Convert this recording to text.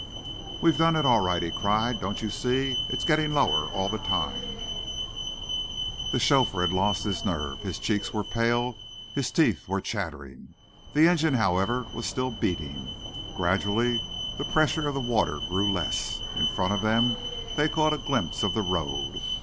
"We've done it, all right!" he cried. "Don't you see? It's getting lower all the time." The chauffeur had lost his nerve. His cheeks were pale, his teeth were chattering. The engine, however, was still beating. Gradually the pressure of the water grew less. In front of them they caught a glimpse of the road.